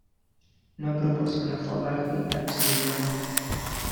No proporciona forraje a los animales.